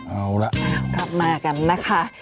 เอาละกลับมากันนะคะ